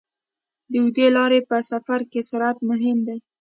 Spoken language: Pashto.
د اوږدې لارې په سفر کې سرعت مهم دی.